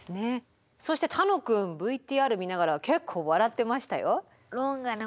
そして楽くんＶＴＲ見ながら結構笑ってましたよ。